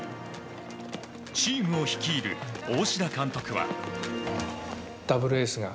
チームを率いる大志田監督は。